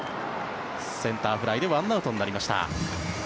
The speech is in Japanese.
センターフライで１アウトになりました。